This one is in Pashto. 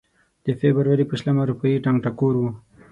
د فبروري په شلمه اروپايي ټنګ ټکور و.